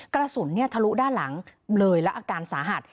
กระสุนทะลุด้านหลังเลยแล้วอาการสาหัส